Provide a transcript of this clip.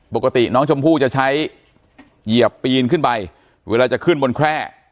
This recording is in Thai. ปกติน้องชมพู่จะใช้เหยียบปีนขึ้นไปเวลาจะขึ้นบนแคร่